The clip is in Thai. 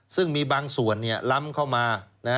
ซึ่งมีบางส่วนล้ำเข้ามา